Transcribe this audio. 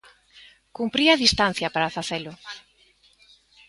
Cumpría distancia para facelo.